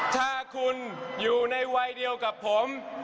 ถ้าคุณอยู่ในวัยเดียวกับผม